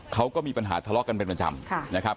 เขาก็มีปัญหาทะเลาะกันเป็นประจำนะครับ